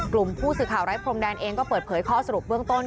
กลุ่มผู้สื่อข่าวไร้พรมแดนเองก็เปิดเผยข้อสรุปเบื้องต้น